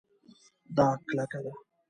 دا کلکه ده